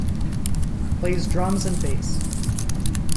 Plays drums and bass.